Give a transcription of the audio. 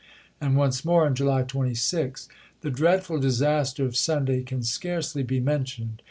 And once more, on July 26 : The dreadful disaster of Sunday can scarcely be men tioned.